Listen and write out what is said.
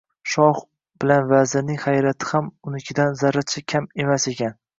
Shoh bilan vazirning hayrati ham unikidan zarracha kam emas ekan.